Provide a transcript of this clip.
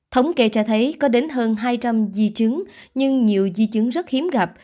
thống kê cho thấy có đến hơn hai trăm linh di chứng nhưng nhiều di chứng rất hiếm gặp